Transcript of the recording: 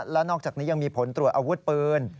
และนอกจากนี้ยังมีผลตรวจอาวุธปืน